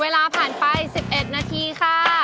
เวลาผ่านไป๑๑นาทีค่ะ